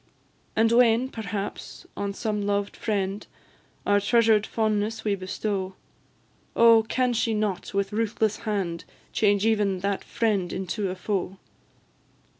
And when, perhaps, on some loved friend Our treasured fondness we bestow, Oh! can she not, with ruthless hand, Change even that friend into a foe?